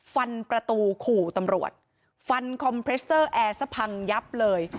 ฟันประตูขู่ตำรวจฟันคอมเพรสเตอร์แอร์ซะพังยับเลย